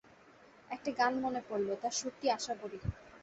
একটি গান মনে পড়ল, তার সুরটি আশাবরী।